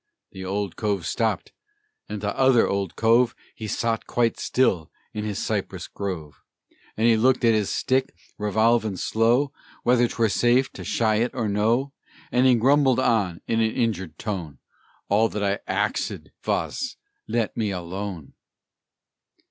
The Old Cove stopped, and t'other Old Cove He sot quite still in his cypress grove, And he looked at his stick revolvin' slow Whether 'twere safe to shy it or no, And he grumbled on, in an injured tone, "All that I axed vos, let me alone."